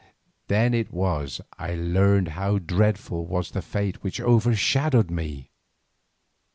Then it was that I learned how dreadful was the fate which overshadowed me.